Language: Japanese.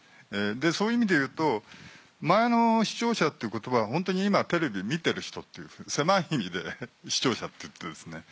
そういう意味で言うと前の「視聴者」っていう言葉はホントに今テレビ見てる人っていう狭い意味で「視聴者」っていってですね。